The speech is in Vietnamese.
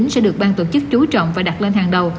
sẽ được ban tổ chức trú trọng và đặt lên hàng đầu